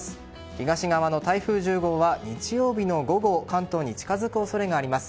東側の台風１０号は日曜日の午後関東に近づく恐れがあります。